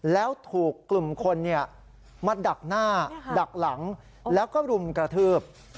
แล้วถูกกลุ่มคนมาดักหน้าดักหลังแล้วก็รุมกระทืบ